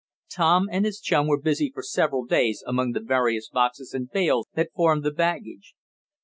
Tom and his chum were busy for several days among the various boxes and bales that formed the baggage.